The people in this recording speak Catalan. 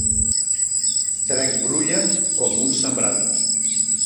Trec brulla com un sembrat.